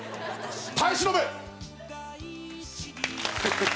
耐え忍べ！